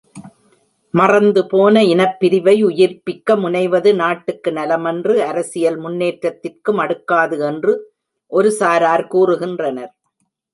மறந்துபோன இனப்பிரிவை உயிர்ப்பிக்க முனைவது நாட்டுக்கு நலமன்று அரசியல் முன்னேற்றத்திற்கும் அடுக்காது என்று ஒரு சாரார் கூறுகின்றனர்.